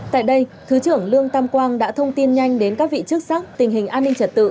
tại đây thứ trưởng lương tam quang đã thông tin nhanh đến các vị chức sắc tình hình an ninh trật tự